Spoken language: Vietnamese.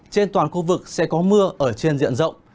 trên toàn khu vực sẽ có mưa ở trên diện rộng